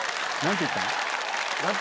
何て言った？